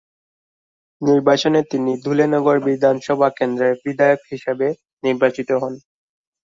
নির্বাচনে তিনি ধুলে নগর বিধানসভা কেন্দ্রের বিধায়ক হিসেবে নির্বাচিত হন।